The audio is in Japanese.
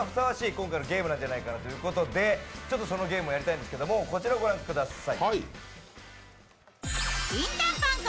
今回のゲームなんじゃないかということで、そのゲームをやりたいんですがこちらご覧ください。